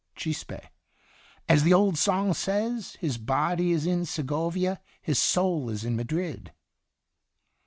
CHISPE. As the old song says: * His body is in Segovia, His soul is in Madrid."'